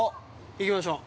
◆行きましょう。